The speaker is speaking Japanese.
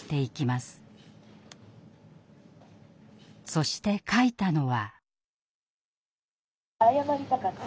そして書いたのは。